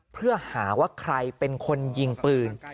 เพื่อหาว่าใครเป็นคนยิงปืน